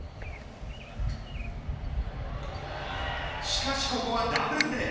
しかし、ここはダブルプレー。